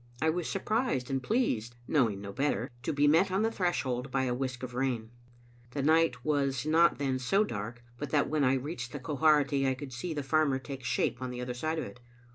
I was surprised and pleased, knowing no better, to be met on the threshold by a whisk of rain. The night was not then so dark but that when I reached the Quharity I could see the farmer take shape on the other side of it.